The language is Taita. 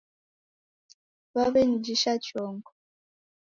W'aw'enijisha chongo